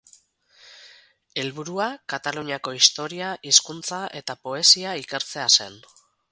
Helburua Kataluniako historia, hizkuntza eta poesia ikertzea zen.